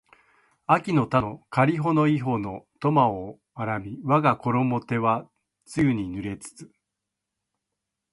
秋（あき）の田のかりほの庵（いほ）の苫（とま）を荒みわがころも手は露に濡れつつ